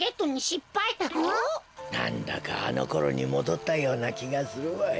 なんだかあのころにもどったようなきがするわい。